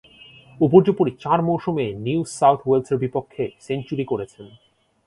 উপর্যুপরী চার মৌসুমে new south ওয়েলসের বিপক্ষে সেঞ্চুরি করেছেন।